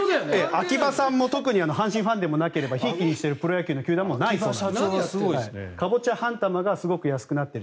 秋葉さんも特に阪神ファンでもなければひいきにしているプロ野球の球団もないそうですがカボチャ半玉がすごく安くなってる。